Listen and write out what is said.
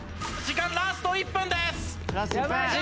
時間ラスト１分。